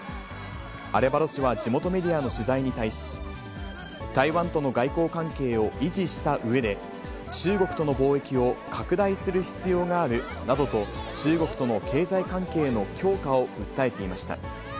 アレバロ氏は地元メディアの取材に対し、台湾との外交関係を維持したうえで、中国との貿易を拡大する必要があるなどと、中国との経済関係の強化を訴えていました。